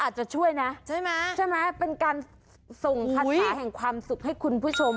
อาจจะช่วยนะใช่ไหมเป็นการส่งคาถาแห่งความสุขให้คุณผู้ชม